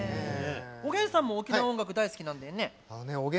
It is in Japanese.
おげんさんも沖縄音楽好きなんだよね。